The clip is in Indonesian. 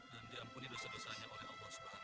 dan diampuni dosa dosanya oleh allah swt